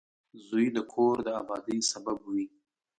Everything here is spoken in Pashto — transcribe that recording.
• زوی د کور د آبادۍ سبب وي.